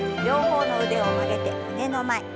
両方の腕を曲げて胸の前。